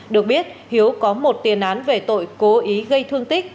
được biết hiếu có một tiền án về tội cố ý gây thương tích